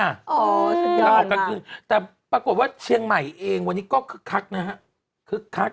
อ๋อสุดยอดมากแต่ปรากฏว่าเชียงใหม่เองวันนี้ก็คึกคักนะฮะ